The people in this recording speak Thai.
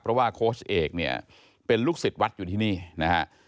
เพราะว่าโค้ชเอกเนี่ยเป็นลูกศิษย์วัดอยู่ที่นี่นะฮะ